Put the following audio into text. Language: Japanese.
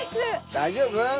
大丈夫？